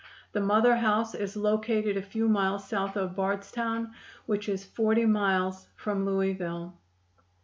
The mother house is located a few miles south of Bardstown, which is forty miles from Louisville.